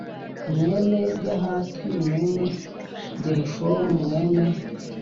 mwene Yahati mwene Gerushomu mwene